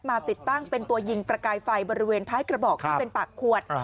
ติดตั้งเป็นตัวยิงประกายไฟบริเวณท้ายกระบอกที่เป็นปากขวด